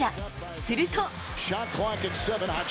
すると。